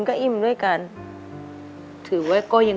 ขอเพียงคุณสามารถที่จะเอ่ยเอื้อนนะครับ